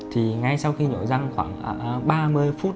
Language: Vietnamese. thì ngay sau khi nhổ răng khoảng ba mươi phút